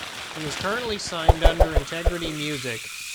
He is currently signed under Integrity Music.